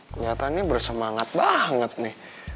kenyataannya bersemangat banget nih